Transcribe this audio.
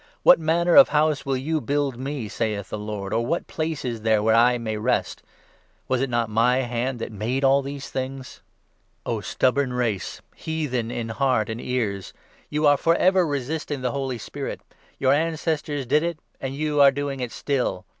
What manner of House will you build me, saith the Lord, Or what place is there where I may rest ? Was it not my hand that made all these things ?' 50 O ! stubborn race, heathen in heart and ears, you are for 51 ever resisting the Holy Spirit ; your ancestors did it, and you are doing it still.